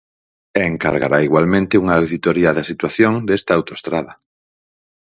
E encargará igualmente unha auditoría da situación, desta autoestrada.